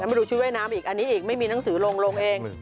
นั้นลองดูชุดเวน้ำอีกอันนี้อีกไม่มีหนังสือลงลงเอง